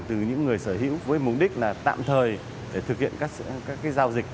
từ những người sở hữu với mục đích là tạm thời để thực hiện các giao dịch